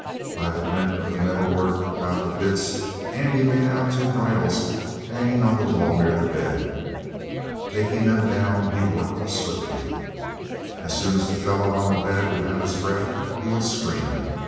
By the glint of the metal work about the bits Andy made out two bridles hanging on the wall near the bed. Taking them down, he worked swiftly. As soon as the fellow on the bed would have his breath he would scream.